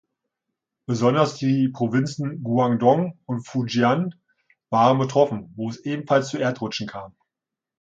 Besonders die Provinzen Guangdong und Fujian waren betroffen, wo es ebenfalls zu Erdrutschen kam.